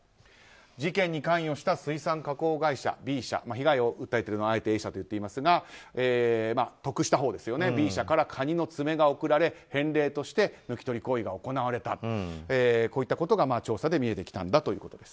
事件に関与した水産加工会社Ｂ社被害を訴えているのはＡ社と言っていますが得をしたほう、Ｂ社からカニの詰めが贈られ返礼として抜き取りが行われたとこういったことが調査で見えてきたんだということです。